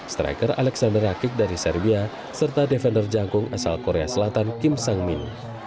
striker alexander rakik dari serbia serta defender jangkung asal korea selatan kim sangmin